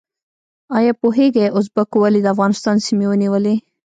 ایا پوهیږئ ازبکو ولې د افغانستان سیمې ونیولې؟